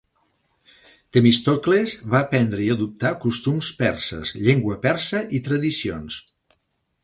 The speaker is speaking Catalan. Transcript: Themistocles va aprendre i adoptar costums perses, llengua persa, i tradicions.